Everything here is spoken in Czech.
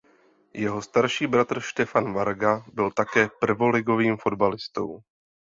Jeho starší bratr Štefan Varga byl také prvoligovým fotbalistou.